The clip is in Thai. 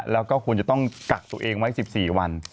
แล้วก็ควรจะต้องกักตัวเองไว้๑๔วัน